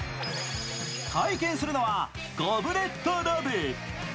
体験するのはゴブレット・ロブ。